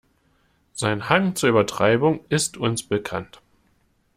Sein Hang zur Übertreibung ist uns bekannt.